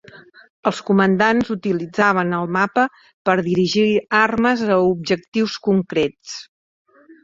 Els comandants utilitzaven el mapa per dirigir armes a objectius concrets.